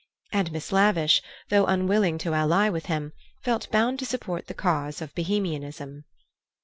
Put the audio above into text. And Miss Lavish, though unwilling to ally him, felt bound to support the cause of Bohemianism.